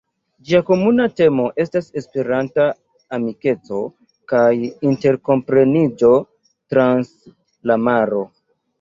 Ĝia komuna temo estas "Esperanta amikeco kaj interkompreniĝo trans la maro".